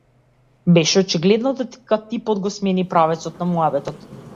Беше очигледно дека типов го смени правецот на муабетот.